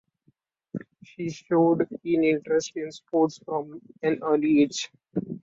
She showed keen interest in sports from an early age.